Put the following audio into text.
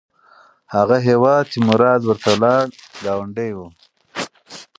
هغه هیواد چې مراد ورته لاړ، ګاونډی و.